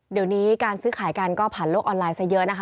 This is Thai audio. เดี๋ยวนี้การซื้อขายกันก็ผ่านโลกออนไลน์ซะเยอะนะคะ